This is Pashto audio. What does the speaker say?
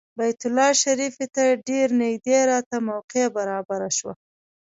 بیت الله شریفې ته ډېر نږدې راته موقع برابره شوه.